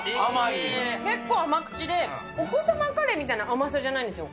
結構甘口で、お子様カレーみたいな甘さじゃないんですよ。